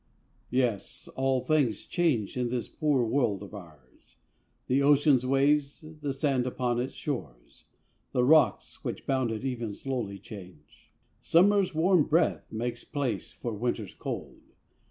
_ Yes, all things change in this poor world of ours, The ocean's waves, the sand upon its shores, The rocks which bound it even slowly change. Summer's warm breath makes place for Winter's cold.